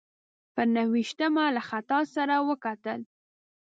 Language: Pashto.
پر نهه ویشتمه له خطاط سره وکتل.